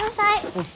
うん。